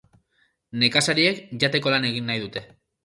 Nekazariek jateko lan egin nahi dute.